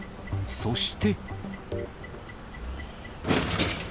そして。